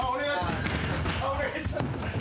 あっお願いします。